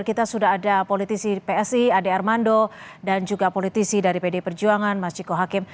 kita sudah ada politisi psi ade armando dan juga politisi dari pd perjuangan mas ciko hakim